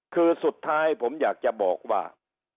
คือสุดท้ายผมอยากจะบอกว่า